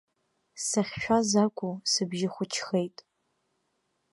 Сахьшәаз акәу, сыбжьы хәыҷхеит.